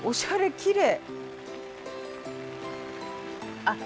きれい。